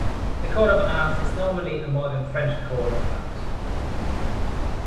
The coat of arms is normally a modern French coat of arms.